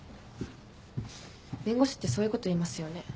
弁護士ってそういうこと言いますよね。